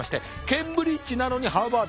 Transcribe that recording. ケンブリッジなのにハーバード。